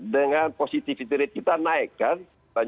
dengan positivity rate kita naik kan